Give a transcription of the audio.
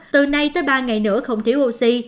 từ nay tới ba ngày nữa không thiếu oxy